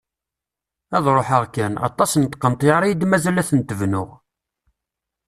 Ad ruḥeɣ kan; aṭas n tqenṭyar i yi-d-mazal ad tent-bnuɣ!